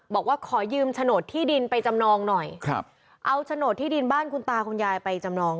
บอกว่าขอยืมโฉนดที่ดินไปจำนองหน่อยครับเอาโฉนดที่ดินบ้านคุณตาคุณยายไปจำนอง